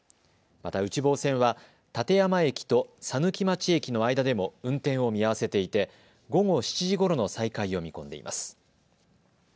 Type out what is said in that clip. また、内房線は館山駅と佐貫町駅の間でも運転を見合わせていて午後７時ごろの再開を見込んでいます。